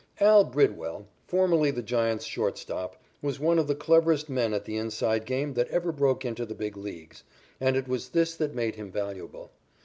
"Al" Bridwell, formerly the Giants' shortstop, was one of the cleverest men at the "inside" game that ever broke into the Big Leagues, and it was this that made him valuable.